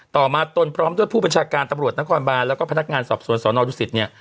ต่อมาตนพร้อมด้วยผู้บัญชาการตำรวจนครบานแล้วก็พนักงานสอบสวนสนดุสิตเนี่ย